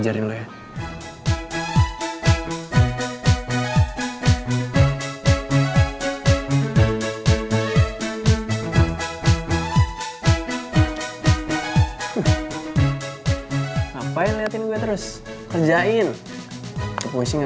jadi gue ikutan juga